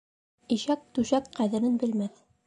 Ишәк түшәк ҡәҙерен белмәҫ.